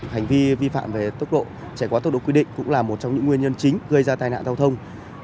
hành vi vi phạm về chạy quá tốc độ quy định cũng là một trong những nguyên nhân chính gây ra tai nạn giao thông